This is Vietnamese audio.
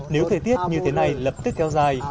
nếu thời tiết như thế này lập tức kéo dài